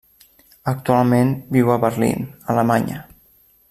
Actualment viu a Berlín, Alemanya.